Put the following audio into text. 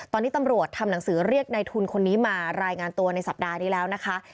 ตอนนี้ตำรวจทำหนังสือเรียกในทุนคนนี้มารายงานตัวในสัปดาห์นี้แล้วนะคะ